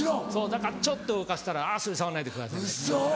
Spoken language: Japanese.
だからちょっと動かしたら「それ触んないでください」。